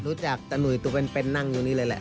รู้จักตานุ่ยเป็นนั่งอยู่นี่เลยแหละ